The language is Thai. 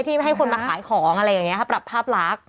ไม่ให้คนมาขายของอะไรอย่างนี้ค่ะปรับภาพลักษณ์